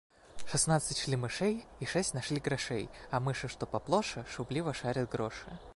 Шестнадцать шли мышей и шесть нашли грошей, а мыши, что поплоше, шумливо шарят гроши.